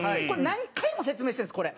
何回も説明してるんですこれ。